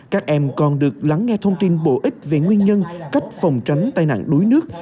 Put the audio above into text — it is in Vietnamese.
các em còn được lắng nghe thông tin bổ ích về nguyên nhân cách phòng tránh tai nạn đuối nước